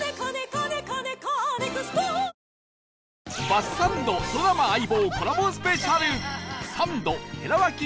バスサンドドラマ『相棒』コラボスペシャル